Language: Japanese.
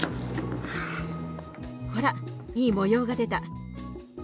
ほらいい模様が出た。